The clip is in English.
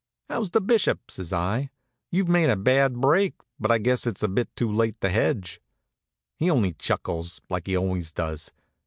"How's the Bishop?" says I. "You've made a bad break; but I guess it's a bit too late to hedge." He only chuckles, like he always does.